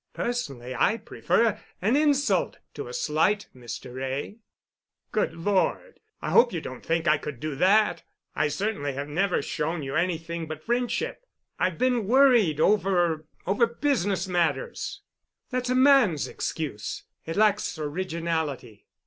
Personally I prefer an insult to a slight, Mr. Wray." "Good Lord! I hope you don't think I could do that. I certainly have never showed you anything but friendship. I've been worried over—over business matters." "That's a man's excuse. It lacks originality.